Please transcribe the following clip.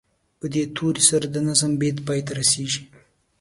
په دې توري سره د نظم بیت پای ته رسیږي.